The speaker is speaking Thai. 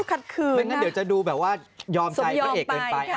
ไม่งั้นเดี๋ยวจะดูแบบว่ายอมชัยเก็บเอกอีกต่อไป